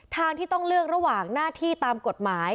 ทางที่ต้องเลือกระหว่างหน้าที่ตามกฎหมาย